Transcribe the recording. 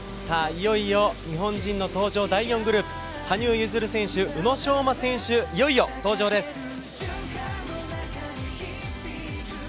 いよいよ日本人の登場、第４グループ、羽生結弦選手、宇野昌磨選手登場です。